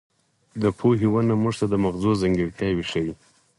د پوهې ونه موږ ته د مغزو ځانګړتیاوې ښيي.